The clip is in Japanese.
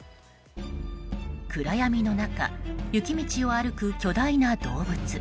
暗闇の中雪道を歩く巨大な動物。